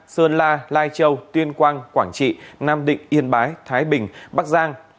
sơn la lai châu tuyên quang quảng trị nam định yên bái thái bình bắc giang